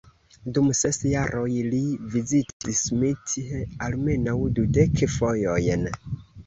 Dum ses jaroj li vizitis Smith almenaŭ dudek fojojn.